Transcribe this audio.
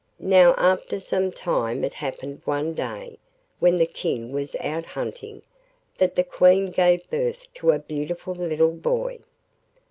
Now after some time it happened one day when the King was out hunting that the Queen gave birth to a beautiful little boy.